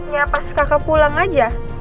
ya pas kakak pulang aja